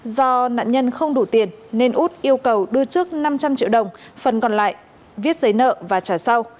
do nạn nhân không đủ tiền nên út yêu cầu đưa trước năm trăm linh triệu đồng phần còn lại viết giấy nợ và trả sau